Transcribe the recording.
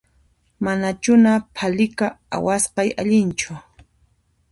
Manachuna phalika awasqay allinchu